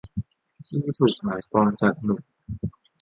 ที่ถูกหมายปองจากหนุ่ม